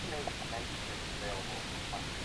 এতে ওই এলাকায় চাঞ্চল্যের সৃষ্টি হয়েছে।